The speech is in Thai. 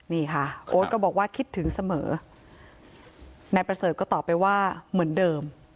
นี่ค่ะโอ๊ตก็บอกว่าคิดถึงเสมอนายประเสริฐก็ตอบไปว่าเหมือนเดิม